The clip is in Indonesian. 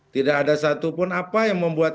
tidak ada satupun apa yang membuat